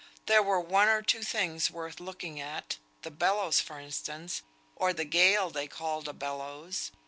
There were one or two things worth looking at, the bellows for instance, or the gale they called a bellows.